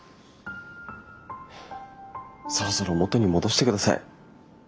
そろそろ元に戻してください。